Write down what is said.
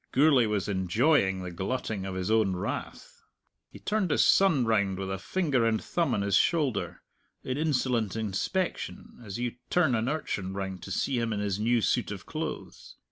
Gourlay was enjoying the glutting of his own wrath. He turned his son round with a finger and thumb on his shoulder, in insolent inspection, as you turn an urchin round to see him in his new suit of clothes.